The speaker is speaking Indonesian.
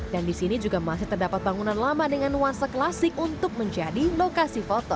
dan di sini juga masih terdapat bangunan lama dengan nuansa klasik untuk menjadi lokasi foto